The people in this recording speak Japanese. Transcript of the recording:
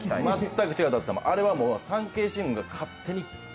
全く違う、舘様、あれは「産経新聞」が勝手に。